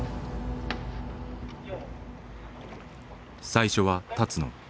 最初は立野。